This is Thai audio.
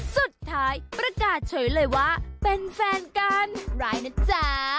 สุดท้ายประกาศเฉยเลยว่าเป็นแฟนกันร้ายนะจ๊ะ